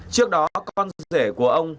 trước đó con rể của ông